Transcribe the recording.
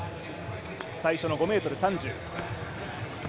最初の５ｍ３０。